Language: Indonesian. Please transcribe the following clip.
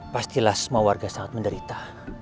pastilah semua warga sangat menderita